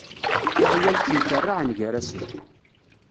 Iɣyal ttemkerrɛan gar-asen.